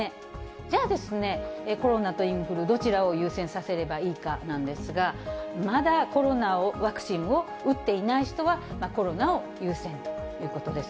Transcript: じゃあ、コロナとインフル、どちらを優先させればいいかなんですが、まだコロナワクチンを打っていない人は、コロナを優先ということです。